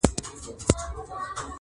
څه غزل څه قصیده وای!